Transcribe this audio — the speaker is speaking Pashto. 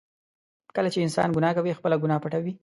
کله چې انسان ګناه کوي، خپله ګناه پټوي.